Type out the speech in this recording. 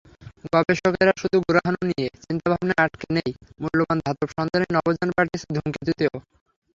গবেষকেরা শুধু গ্রহাণু নিয়ে চিন্তাভাবনায় আটকে নেই, মূল্যবান ধাতবের সন্ধানে নভোযান পাঠিয়েছেন ধূমকেতুতেও।